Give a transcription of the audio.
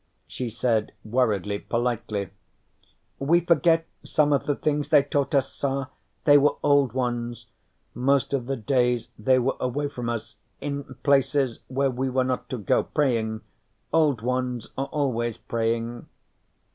She said worriedly, politely: "We forget some of the things they taught us, sa. They were Old Ones. Most of the days, they were away from us in places where we were not to go, praying. Old Ones are always praying."